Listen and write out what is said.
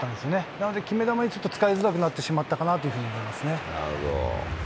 なので、決め球にちょっと使いづらくなってしまったかなと思いまなるほど。